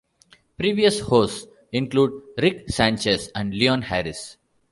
Previous hosts include Rick Sanchez and Leon Harris.